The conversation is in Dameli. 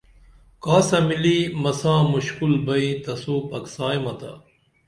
کاسہ ملی مساں مشکُل بئی تسوں پکسائمتا